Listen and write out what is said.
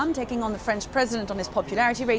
mengambil tanggapan presiden perancis tentang ratenya